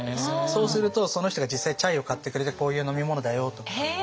そうするとその人が実際にチャイを買ってくれてこういう飲み物だよとか。